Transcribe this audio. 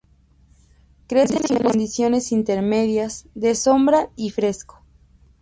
Crecen en condiciones intermedias de sombra y fresco.